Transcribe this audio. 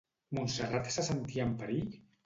Monsterrat se sentia en perill?